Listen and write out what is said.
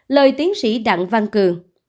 lời tiến sĩ đặng văn cường